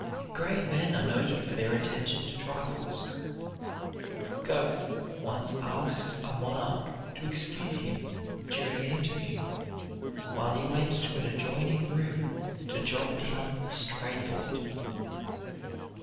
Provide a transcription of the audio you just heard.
Great men are noted for their attention to trifles. Goethe once asked a monarch to excuse him, during an interview, while he went to an adjoining room to jot down a stray thought.